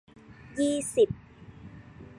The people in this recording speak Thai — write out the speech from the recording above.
ยี่สิบ